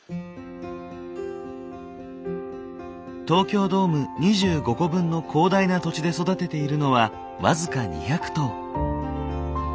東京ドーム２５個分の広大な土地で育てているのは僅か２００頭。